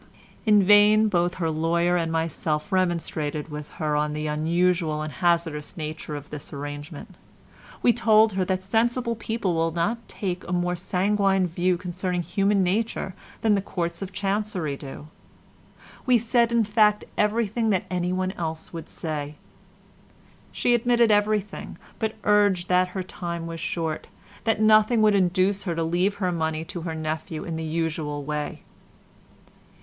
In vain both her lawyer and myself remonstrated with her on the unusual and hazardous nature of this arrangement. We told her that sensible people will not take a more sanguine view concerning human nature than the Courts of Chancery do. We said, in fact, everything that anyone else would say. She admitted everything, but urged that her time was short, that nothing would induce her to leave her money to her nephew in the usual way.